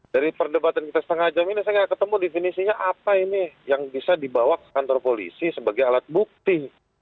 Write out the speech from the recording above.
dari perdebatan kita setengah jam ini saya nggak ketemu definisinya apa ini yang bisa dibawa ke kantor polisi sebagai alat bukti